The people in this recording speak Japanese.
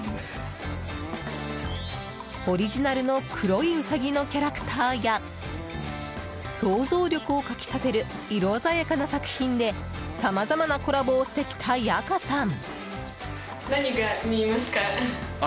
オリジナルの黒いウサギのキャラクターや想像力をかき立てる色鮮やかな作品でさまざまなコラボをしてきたヤカさん。